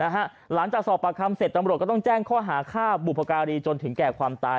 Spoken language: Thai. หลังจากสอบปากคำเสร็จตำรวจก็ต้องแจ้งข้อหาฆ่าบุพการีจนถึงแก่ความตาย